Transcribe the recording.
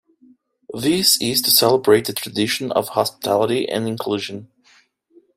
This is to celebrate the tradition of hospitality and inclusion.